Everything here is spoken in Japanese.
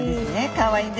かわいい。